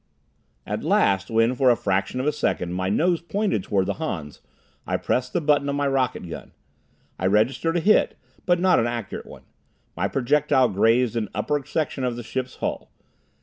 At last, when for a fraction of a second my nose pointed toward the Hans, I pressed the button of my rocket gun. I registered a hit, but not an accurate one. My projectile grazed an upper section of the ship's hull.